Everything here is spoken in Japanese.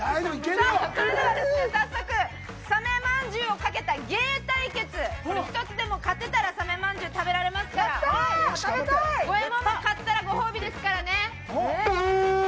それでは早速サメまんじゅうをかけた芸対決一つでも勝てたらサメまんじゅう食べられますからゴエモンが勝ったらゴエモンにもご褒美ですからね。